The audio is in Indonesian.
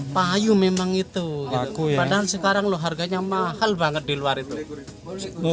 payu memang itu padahal sekarang loh harganya mahal banget di luar itu